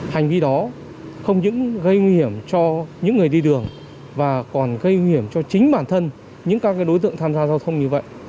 hành vi đó không những gây nguy hiểm cho những người đi đường và còn gây nguy hiểm cho chính bản thân những các đối tượng tham gia giao thông như vậy